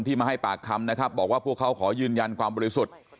มาให้ปากคำนะครับบอกว่าพวกเขาขอยืนยันความบริสุทธิ์